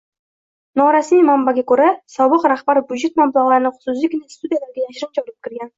Norasmiy manbaga ko'ra, sobiq rahbar byudjet mablag'larini xususiy kinostudiyalarga yashirincha olib kirgan